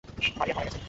মারিয়া মরে গেছে।